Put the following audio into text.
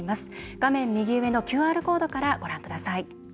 画面右上のＱＲコードからご覧ください。